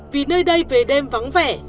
vì nơi đây về đêm vắng vẻ